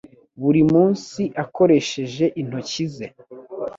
buri munsi akoresheje intoki ze.